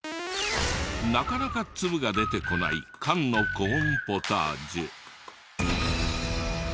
なかなか粒が出てこない缶のコーンポタージュ。